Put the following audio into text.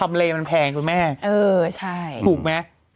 อ่าใช่เออใช่ถูกไหม